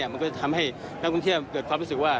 มันก็จะทำให้นักท่องเที่ยวเกิดความรู้สึกว่า